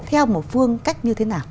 theo một phương cách như thế nào